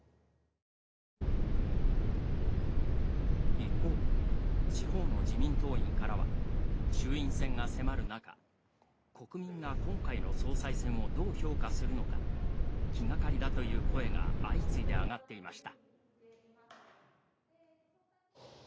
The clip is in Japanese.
一方、地方の自民党員からは衆院選が迫る中国民が今回の総裁選をどう評価するのか気がかりだという声が相次いで上がっていました。